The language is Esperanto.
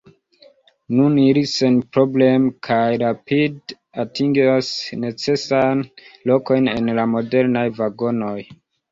Nun ili senprobleme kaj rapide atingas necesajn lokojn en la modernaj vagonoj.